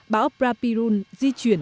bão prapirun di chuyển